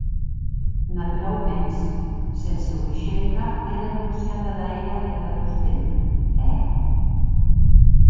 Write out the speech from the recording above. Naturauments, sense Grushenka e renonciant ada era entà tostemp, è?